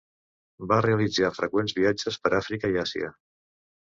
Va realitzar freqüents viatges per Àfrica i Àsia.